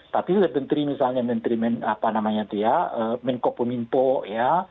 tapi menteri misalnya menteri menko pemimpok ya